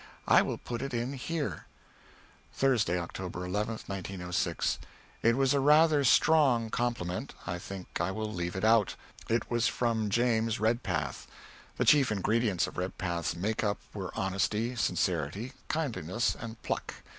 I will put it in here. [Thursday, October 11, 1906.] It was a rather strong compliment; I think I will leave it out. It was from James Redpath. The chief ingredients of Redpath's make up were honesty, sincerity, kindliness, and pluck.